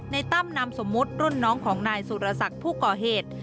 ตั้มนามสมมุติรุ่นน้องของนายสุรศักดิ์ผู้ก่อเหตุ